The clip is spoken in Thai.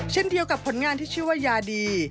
เช่นเดียวกับผลงานที่ชื่อว่ายาดี